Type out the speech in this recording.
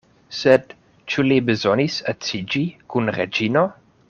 Sed ĉu li bezonis edziĝi kun Reĝino?